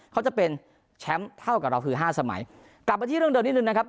เขาจะเป็นแชมป์เท่ากับเราคือห้าสมัยกลับมาที่เรื่องเดิมนิดนึงนะครับ